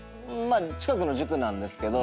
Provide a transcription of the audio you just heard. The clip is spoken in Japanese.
近くの塾なんですけど。